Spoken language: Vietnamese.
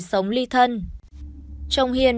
sống ly thân chồng hiền